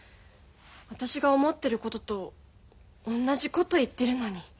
私が思ってることと同じこと言ってるのに。